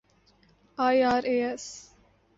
IRAS